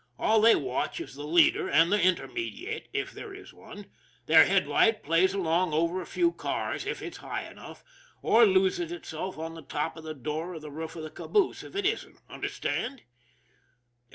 All they watch is the leader and the intermediate, if there is one. Their headlight plays along over a few cars if it's high enough, or loses itself on the top of the door or the roof of the caboose if it isn't, understand?